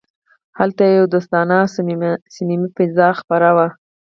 هلته یوه دوستانه او صمیمي فضا خپره وه